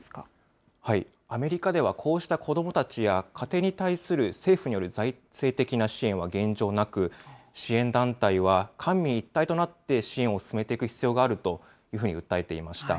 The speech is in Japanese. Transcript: アメリカでは、こうした子どもたちや家庭に対する政府による財政的な支援は、現状なく、支援団体は、官民一体となって支援を進めていく必要があるというふうに訴えていました。